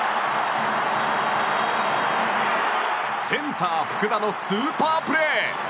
センター、福田のスーパープレー。